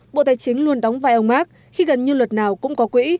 bộ tài chính luôn đóng vai ông mark khi gần như luật nào cũng có quỹ